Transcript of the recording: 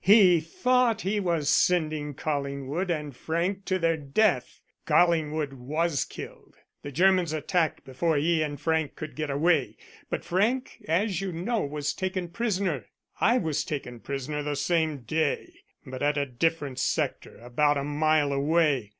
He thought he was sending Collingwood and Frank to their death. Collingwood was killed. The Germans attacked before he and Frank could get away, but Frank, as you know, was taken prisoner. I was taken prisoner the same day, but at a different sector about a mile away.